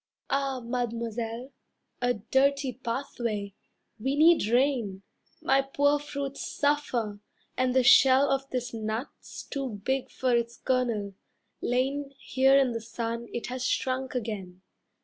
"Ah, Mademoiselle, A dirty pathway, we need rain, My poor fruits suffer, and the shell Of this nut's too big for its kernel, lain Here in the sun it has shrunk again.